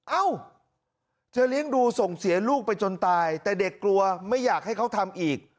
เอ้าจะเลี้ยงดูส่งเสียลูกไปจนตายแต่เด็กกลัวไม่อยากให้เขาทำอีก